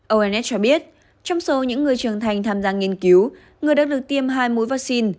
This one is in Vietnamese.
ons cho biết trong số những người trưởng thành tham gia nghiên cứu người đã được tiêm hai mũi vaccine